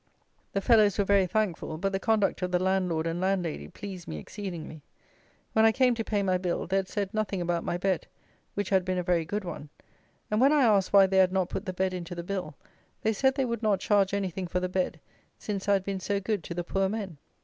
The fellows were very thankful, but the conduct of the landlord and landlady pleased me exceedingly. When I came to pay my bill, they had said nothing about my bed, which had been a very good one; and, when I asked why they had not put the bed into the bill, they said they would not charge anything for the bed since I had been so good to the poor men.